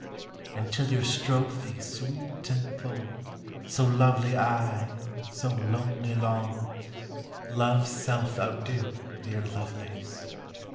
And till your strophe sweet and bold So lovely aye, so lonely long, Love's self outdo, dear Lovelace!